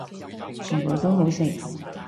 全部都好食